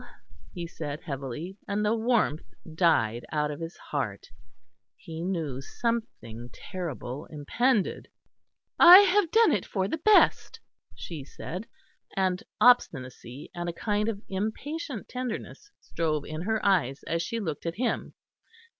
he said heavily, and the warmth died out of his heart. He knew something terrible impended. "I have done it for the best," she said, and obstinacy and a kind of impatient tenderness strove in her eyes as she looked at him.